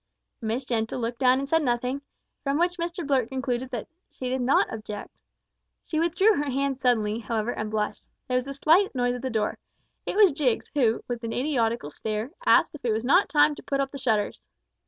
Miss Gentle looked down and said nothing, from which Mr Blurt concluded that she did not object. She withdrew her hand suddenly, however, and blushed. There was a slight noise at the door. It was Jiggs, who, with an idiotical stare, asked if it was not time to put up the shutters!